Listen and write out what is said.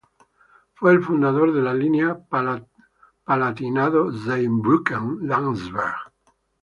Fue el fundador de la línea Palatinado-Zweibrücken-Landsberg.